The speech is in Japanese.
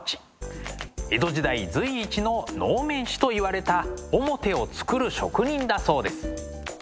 江戸時代随一の能面師といわれた面を作る職人だそうです。